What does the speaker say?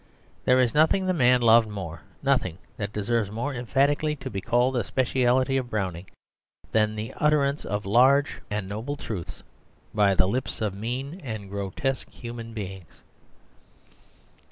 There is nothing that the man loved more, nothing that deserves more emphatically to be called a speciality of Browning, than the utterance of large and noble truths by the lips of mean and grotesque human beings.